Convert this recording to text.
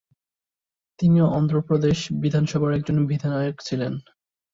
তিনি অন্ধ্র প্রদেশ বিধানসভার একজন বিধায়ক ছিলেন।